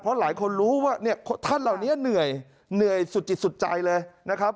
เพราะหลายคนรู้ว่าเนี่ยท่านเหล่านี้เหนื่อยเหนื่อยสุดจิตสุดใจเลยนะครับ